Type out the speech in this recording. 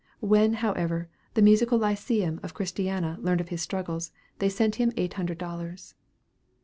When, however, the Musical Lyceum of Christiana learned of his struggles, they sent him eight hundred dollars.